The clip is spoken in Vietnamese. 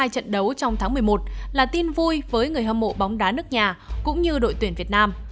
hai trận đấu trong tháng một mươi một là tin vui với người hâm mộ bóng đá nước nhà cũng như đội tuyển việt nam